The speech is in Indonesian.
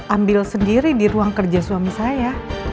ambil sendiri di ruang kerja suami saya